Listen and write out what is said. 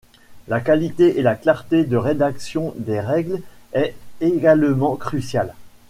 La qualité et la clarté de rédaction des règles est également cruciale.